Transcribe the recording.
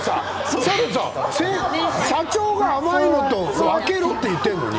社長が甘いのと分けろって言っているのに！